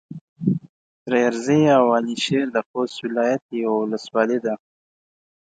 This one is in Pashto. تريزي او على شېر د خوست ولايت يوه ولسوالي ده.